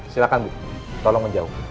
silakan bu tolong menjauh